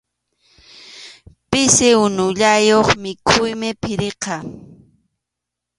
Pisi unullayuq mikhuymi phiriqa.